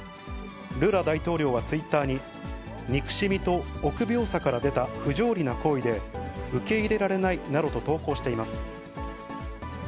ルラ大統領はツイッターに、憎しみと臆病さから出た不条理な行為で、受け入れられないなどと投稿しています。